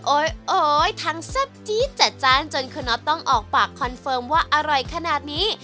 โอ๊ยทั้งแซ่บจี๊ดจัดจ้านจนคุณน็อตต้องออกปากคอนเฟิร์มว่าอร่อยขนาดนี้